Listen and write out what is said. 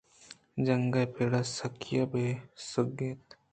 جنگ ءِ پڑ ءِ سکیّاں بہ سگّیت